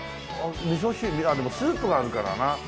みそ汁でもスープがあるからな。